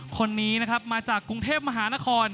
คนนี้นะครับมาจากกรุงเทพมหานคร